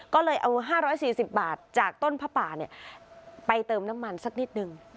ก็เลยเอาห้าร้อยสี่สิบบาทจากต้นพระป่าเนี่ยไปเติมน้ำมันสักนิดหนึ่ง